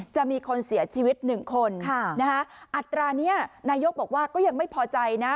จะมีคนเสียชีวิตหนึ่งคนอัตรานี้นายกบอกว่าก็ยังไม่พอใจนะ